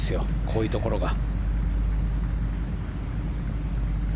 こういうところが。